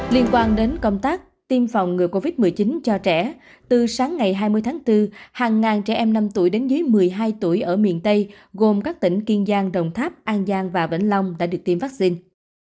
liên quan đến công tác tiêm phòng ngừa covid một mươi chín cho trẻ từ sáng ngày hai mươi tháng bốn hàng ngàn trẻ em năm tuổi đến dưới một mươi hai tuổi ở miền tây gồm các tỉnh kiên giang đồng tháp an giang và vĩnh long đã được tiêm vaccine